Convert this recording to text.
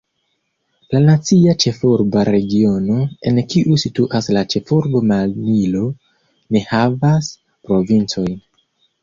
La Nacia Ĉefurba Regiono, en kiu situas la ĉefurbo Manilo, ne havas provincojn.